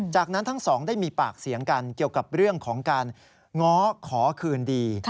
จากนั้นทั้งสองได้มีปากเสียงกันเกี่ยวกับเรื่องของการง้อขอคืนดี